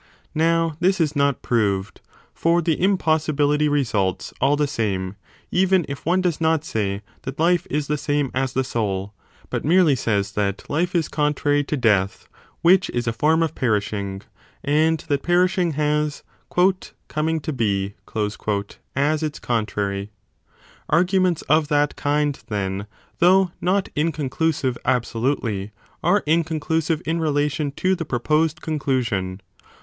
Now this is not proved : for the impossibility results all the same, even if one does not say that life is the same as the soul, but merely says that o a i67 b DE SOPHISTICIS ELENCHIS life is contrary to death, which is a form of perishing, and that perishing has coming to be as its contrary. Argu ments of that kind, then, though not inconclusive absolutely, 35 are inconclusive in relation to the proposed conclusion.